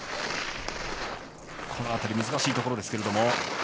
この辺り難しいところですが。